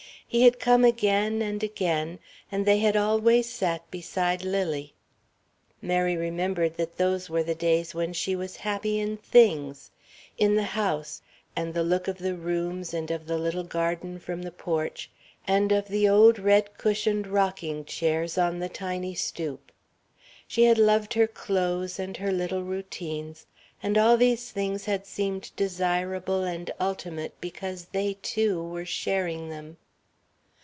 He had come again and again, and they had always sat beside Lily. Mary remembered that those were the days when she was happy in things in the house and the look of the rooms and of the little garden from the porch, and of the old red cushioned rocking chairs on the tiny "stoop." She had loved her clothes and her little routines, and all these things had seemed desirable and ultimate because they two were sharing them.